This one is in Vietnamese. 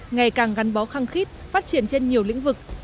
ngày càng gắn bó khăng khít phát triển trên nhiều lĩnh vực